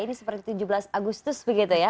ini seperti tujuh belas agustus begitu ya